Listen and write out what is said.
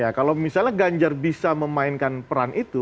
ya kalau misalnya ganjar bisa memainkan peran itu